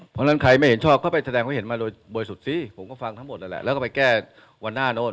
เพราะฉะนั้นใครไม่เห็นชอบก็ไปแสดงความเห็นมาโดยบริสุทธิ์สิผมก็ฟังทั้งหมดนั่นแหละแล้วก็ไปแก้วันหน้าโน่น